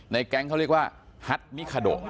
แก๊งเขาเรียกว่าฮัตมิคาโด